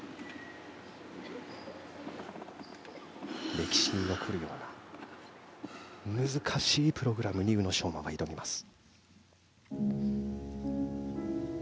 歴史に残るような難しいプログラムに宇野昌磨は挑みます。